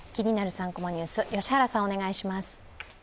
３コマニュース」、良原さん、お願いします。